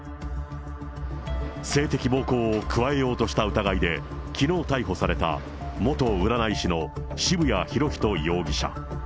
性的暴行を加えようとした疑いで、きのう逮捕された、元占い師の渋谷博仁容疑者。